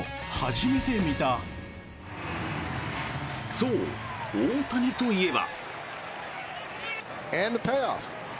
そう、大谷といえば。